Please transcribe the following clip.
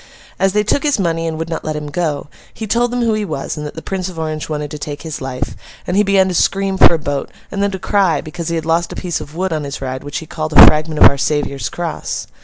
As they took his money and would not let him go, he told them who he was, and that the Prince of Orange wanted to take his life; and he began to scream for a boat—and then to cry, because he had lost a piece of wood on his ride which he called a fragment of Our Saviour's cross.